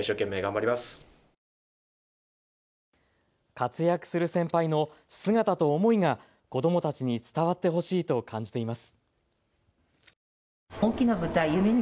活躍する先輩の姿と思いが子どもたちに伝わってほしいと感じています。